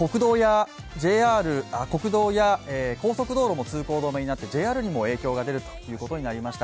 国道や高速道路も通行止めになって、ＪＲにも影響が出るということになりました。